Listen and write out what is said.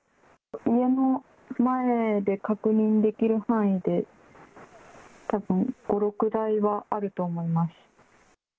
家の前で確認できる範囲で、たぶん５、６台はあると思います。